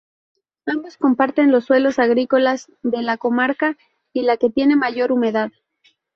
Ambos comparten los suelos agrícolas de la comarca y la que tiene mayor humedad.